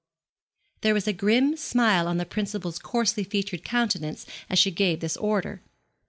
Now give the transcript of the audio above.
There was a grim smile on the principal's coarsely featured countenance as she gave this order.